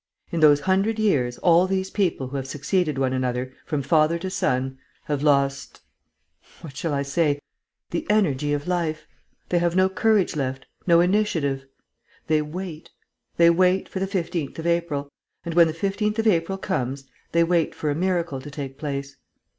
In those hundred years, all these people who have succeeded one another, from father to son, have lost what shall I say? the energy of life. They have no courage left, no initiative. They wait. They wait for the 15th of April; and, when the 15th of April comes, they wait for a miracle to take place.